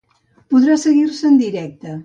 Podrà seguir-se en directe.